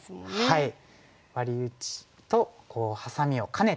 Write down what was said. はい。